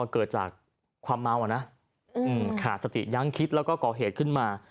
เกิดจากความเมาอ่ะนะขาดสติยังคิดแล้วก็ก่อเหตุขึ้นมา